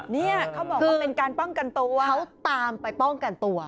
เนี่ยเขาบอกว่าเป็นการป้องกันตัวเขาตามไปป้องกันตัว